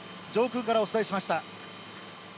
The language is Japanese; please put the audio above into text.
上空からお伝えしました。